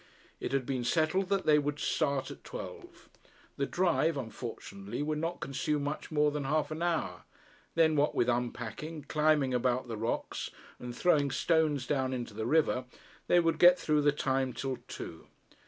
It had been settled that they should start at twelve. The drive, unfortunately, would not consume much more than half an hour. Then what with unpacking, climbing about the rocks, and throwing stones down into the river, they would get through the time till two.